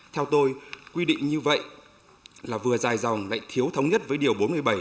theo tôi quy định như vậy là vừa dài dòng lại thiếu thống nhất với điều bốn mươi bảy